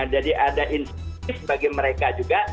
jadi ada insentif bagi mereka juga